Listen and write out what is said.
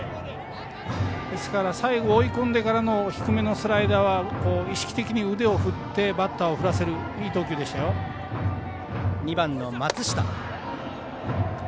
ですから最後、追い込んでからの低めのスライダーは意識的に腕を振ってバッターを振らせるバッターは２番、松下。